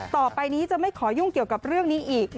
ต่อไปนี้จะไม่ขอยุ่งเกี่ยวกับเรื่องนี้อีก